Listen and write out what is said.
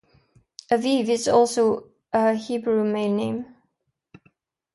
Aviv is also a Hebrew male name.